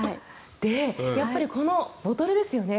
やっぱりこのボトルですよね。